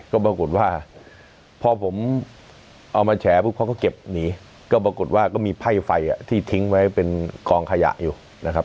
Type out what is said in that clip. ก็ปรากฏว่าพอผมเอามาแฉปุ๊บเขาก็เก็บหนีก็ปรากฏว่าก็มีไพ่ไฟที่ทิ้งไว้เป็นกองขยะอยู่นะครับ